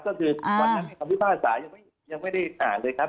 ก็คือวันนั้นในคำพิพากษายังไม่ได้อ่านเลยครับ